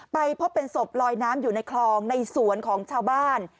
ไปพบเป็นศพลอยน้ำอยู่ในคลองในสวนของชาวบ้าน